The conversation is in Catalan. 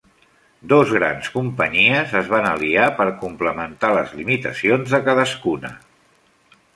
Dos grans companyies es van aliar per complementar les limitacions de cadascuna.